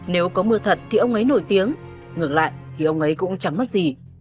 nếu có mưa thật thì ông ấy nổi tiếng ngược lại thì ông ấy cũng chẳng mất gì